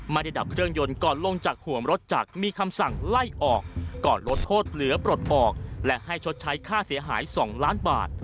ดับเครื่องยนต์ก่อนลงจากห่วงรถจักรมีคำสั่งไล่ออกก่อนลดโทษเหลือปลดออกและให้ชดใช้ค่าเสียหาย๒ล้านบาท